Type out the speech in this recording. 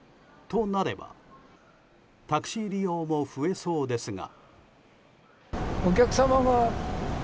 となれば、タクシー利用も増えそうですが。